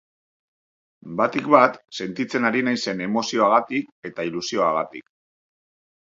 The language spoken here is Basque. Batik bat sentitzen ari naizen emozioagatik eta ilusioagatik.